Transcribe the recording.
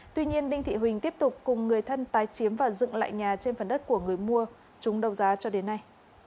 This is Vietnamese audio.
tuy nhiên đinh thị huỳnh tiếp tục cùng người thân tái chiếm và dựng lại nhà trên phần đất của người mua chúng đầu giá cho đến nay